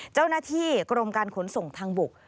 เจ้าหน้าที่กรมการขนส่งทางบก